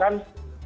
kalau di televisi